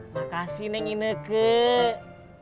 makasih neng ini kek